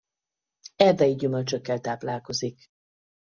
Erdei gyümölcsökkel táplálkozik.